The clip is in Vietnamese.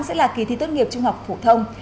sẽ là kỳ thi tốt nghiệp trung học phổ thông